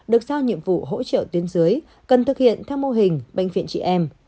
được giao nhiệm vụ hỗ trợ tiến dưới cần thực hiện theo mô hình bệnh viện trị em